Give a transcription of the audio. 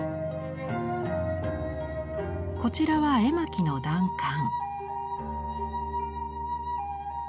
こちらは絵巻の断簡。